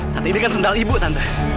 tapi ini kan sendal ibu tante